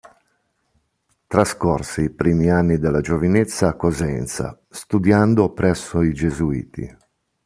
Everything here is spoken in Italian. Trascorse i primi anni della giovinezza a Cosenza studiando presso i gesuiti.